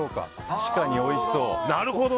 確かにおいしそう。